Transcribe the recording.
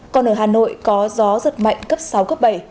còn ở hà nội có gió giật mạnh cấp sáu cấp bảy